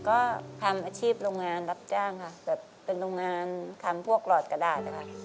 ก็ทำอาชีพโรงงานรับจ้างค่ะแบบเป็นโรงงานทำพวกหลอดกระดาษนะคะ